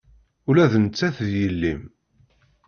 Ula d nettat d yelli-m.